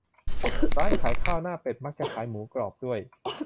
ร้านขายข้าวหน้าเป็ด มักจะขายหมูกรอบด้วย